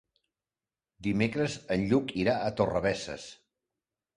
Dimecres en Lluc irà a Torrebesses.